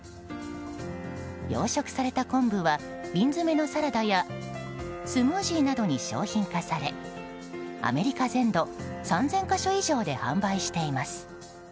養殖された昆布は瓶詰のサラダやスムージーなどに商品化されアメリカ全土３０００か所以上で販売しています。